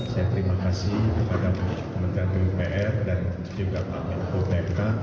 saya terima kasih kepada menteri upr dan juga pak menteri bumk